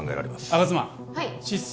吾妻失踪